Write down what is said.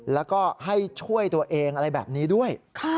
แล้วก็ให้ช่วยตัวเองอะไรแบบนี้ด้วย